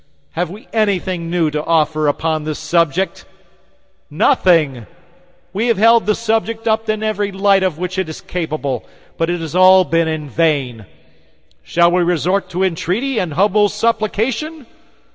Have we anything new to offer upon the subject? Nothing. We have held the subject up in every light of which it is capable; but it has been all in vain. Shall we resort to entreaty and humble supplication?